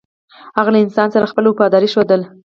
هغه له انسان سره خپله وفاداري ښودله.